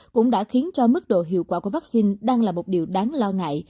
cũng đã khiến cho mức độ hiệu quả của vaccine đang là một điều đáng lo ngại